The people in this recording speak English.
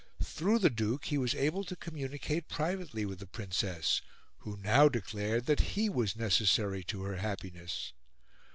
Through the Duke he was able to communicate privately with the Princess, who now declared that he was necessary to her happiness.